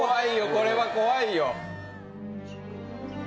これは怖いよ。